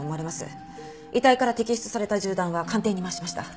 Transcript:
遺体から摘出された銃弾は鑑定に回しました。